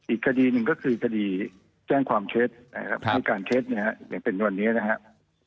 อีกคดีหนึ่งก็คือคดีแจ้งความเท็จที่การเท็จเป็นวันนี้นะครับ